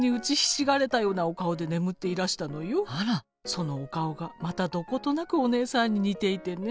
そのお顔がまたどことなくお姉さんに似ていてね。